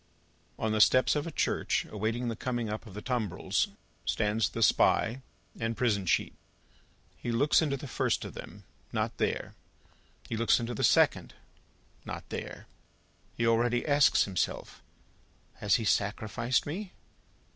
On the steps of a church, awaiting the coming up of the tumbrils, stands the Spy and prison sheep. He looks into the first of them: not there. He looks into the second: not there. He already asks himself, "Has he sacrificed me?"